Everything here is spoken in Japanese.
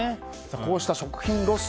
こうした食品ロス